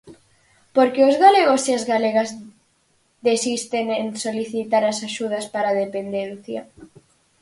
¿Por que os galegos e as galegas desisten en solicitar as axudas para dependencia?